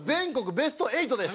ベスト８です。